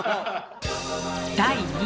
第２位！